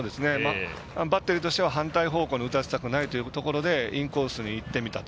バッテリーとしては反対方向に打たせたくないところでインコースにいってみたと。